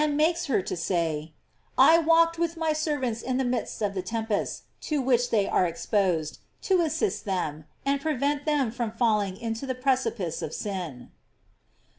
makes her to say: I walked with my servants in the midst of the tempests to which they are ex posed, to assist them, and prevent them from falling into the precipice of sin.